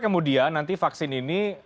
kemudian nanti vaksin ini